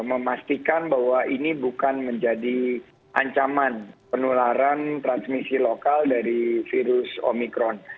memastikan bahwa ini bukan menjadi ancaman penularan transmisi lokal dari virus omikron